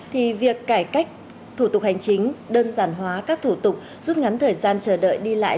thì việc cải cách thủ tục hành chính đơn giản hóa các thủ tục rút ngắn thời gian chờ đợi đi lại